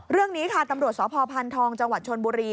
เรื่องนี้ค่ะตำรวจสพทองจชนบุรี